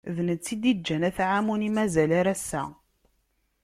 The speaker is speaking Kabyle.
D netta i d-iǧǧan At Ɛamun, i mazal ar ass-a.